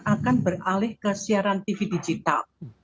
akan beralih ke siaran tv digital